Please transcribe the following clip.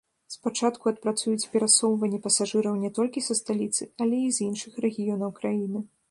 Спачатку адпрацуюць перасоўванне пасажыраў не толькі са сталіцы, але і з іншых рэгіёнаў краіны.